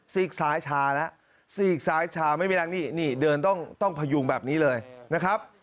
กซ้ายชาแล้วซีกซ้ายชาไม่มีแรงนี่นี่เดินต้องพยุงแบบนี้เลยนะครับ